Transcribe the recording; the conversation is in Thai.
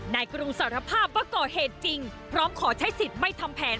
กรุงสารภาพว่าก่อเหตุจริงพร้อมขอใช้สิทธิ์ไม่ทำแผน